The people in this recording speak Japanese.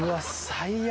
最悪。